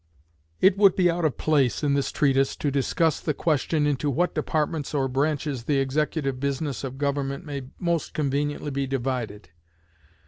It would be out of place in this treatise to discuss the question into what departments or branches the executive business of government may most conveniently be divided.